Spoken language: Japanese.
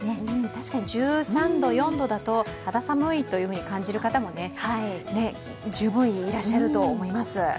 確かに１３度、１４度だと肌寒いと感じる方も十分いらっしゃると思います。